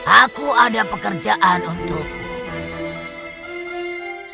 aku ada pekerjaan untukmu